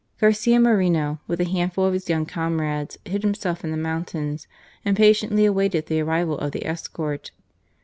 Garcia Moreno, with a handful of his young comrades, hid himself in the mountains and patiently awaited the arrival of the escort.